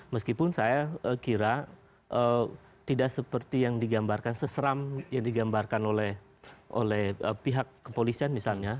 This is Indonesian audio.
meskipun saya kira tidak seperti yang digambarkan seseram yang digambarkan oleh pihak kepolisian misalnya